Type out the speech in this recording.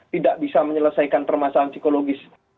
tidak bisa menyelesaikan permasalahan psikologis